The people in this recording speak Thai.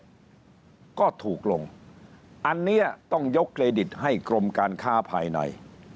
ก็ถูกลงอันนี้ต้องยกเครดิตให้กรมการค้าภายใน